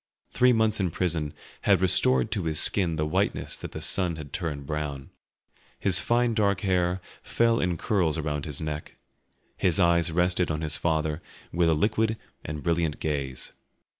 Three months in prison had restored to his skin the whiteness that the sun had turned brown; his fine dark hair fell in curls around his neck, his eyes rested on his father with a liquid and brilliant gaze.